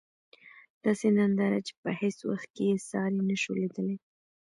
داسې ننداره چې په هیڅ وخت کې یې ساری نشو لېدلی.